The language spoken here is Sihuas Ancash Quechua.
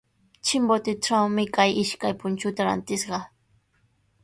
Chimbotetrawmi kay ishkay punchuta rantishqaa.